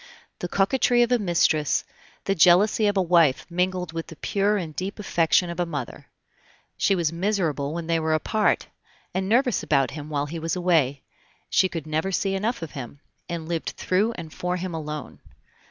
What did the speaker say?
The coquetry of a mistress, the jealousy of a wife mingled with the pure and deep affection of a mother. She was miserable when they were apart, and nervous about him while he was away; she could never see enough of him, and lived through and for him alone.